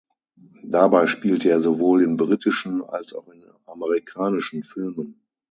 Dabei spielte er sowohl in britischen als auch in amerikanischen Filmen.